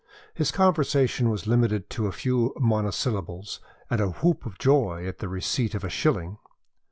His conversation was limited to a few monosyllables and a whoop of joy at the receipt of a shilling.